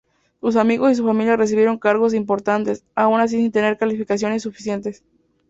Sus amigos y su familia recibieron cargos importantes, aún sin tener calificaciones suficientes.